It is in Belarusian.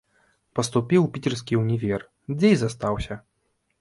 Паступіў у піцерскі ўнівер, дзе і застаўся.